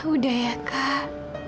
udah ya kak